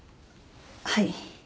はい。